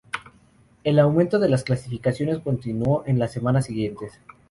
El aumento de las calificaciones continuó en las semanas siguientes.